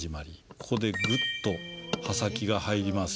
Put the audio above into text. ここでグッと刃先が入ります。